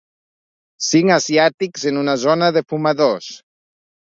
Cinc asiàtics en una zona de fumadors.